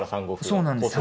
そうなんです。